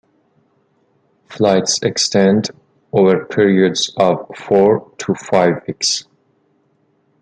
Flights extend over periods of four to five weeks.